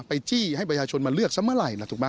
ไปจี้ให้ประชาชนมาเลือกซะเมื่อไหร่